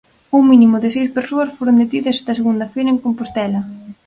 Un mínimo de seis persoas foron detidas esta segunda feira en Compostela.